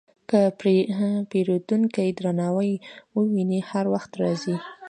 که پیرودونکی درناوی وویني، هر وخت راځي.